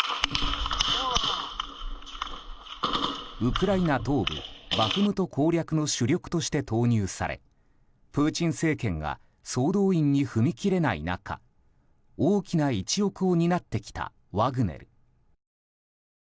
ウクライナ東部バフムト攻略の主力として投入されプーチン政権が総動員に踏み切れない中大きな一翼を担ってきたワグネル。